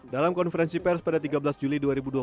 dalam konferensi pers pada tiga belas juli dua ribu dua puluh